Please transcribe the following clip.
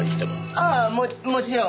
ああももちろん。